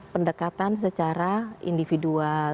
pendekatan secara individual